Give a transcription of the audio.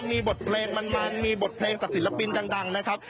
มีบทเพลงมันมีบทเพลงจากศิลปินดังนะครับ